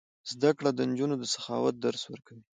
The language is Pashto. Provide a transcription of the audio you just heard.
زده کړه نجونو ته د سخاوت درس ورکوي.